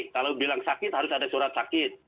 kalau bilang sakit harus ada surat sakit